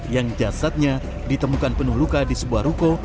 yang jasadnya ditemukan penuh luka di sebuah ruko